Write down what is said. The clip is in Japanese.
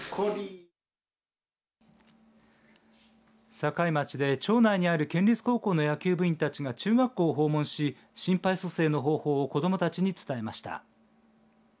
堺町で町内にある県立高校の野球部員たちが中学校を訪問し心肺蘇生の方法を子どもたちに伝えました。